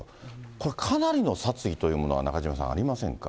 これかなりの殺意というものが中島さん、ありませんか。